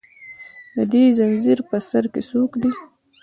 د دې زنځیر په سر کې څوک دي